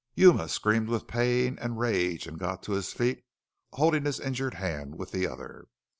Yuma screamed with pain and rage and got to his feet, holding his injured hand with the other.